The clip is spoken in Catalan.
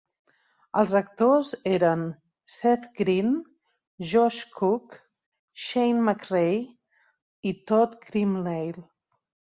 Els actors eren Seth Green, Josh Cooke, Shane McRae i Todd Grinnell.